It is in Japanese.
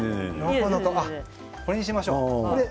これにしましょう。